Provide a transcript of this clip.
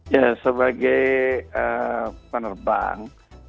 ya sebagai penerbang